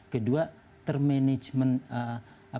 kedua terkelolanya kawasan tersebut dalam